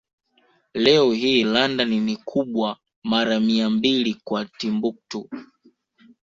Leo hii London ni kubwa mara mia mbili kwa Timbuktu